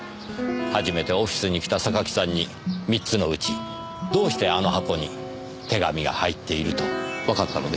初めてオフィスに来た榊さんに３つのうちどうしてあの箱に手紙が入っているとわかったのでしょうねえ？